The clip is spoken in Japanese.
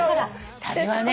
旅はね。